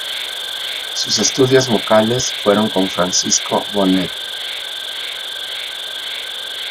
Sus estudios vocales fueron con Francisco Bonet.